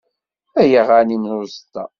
Ay aɣanim n uẓeṭṭa.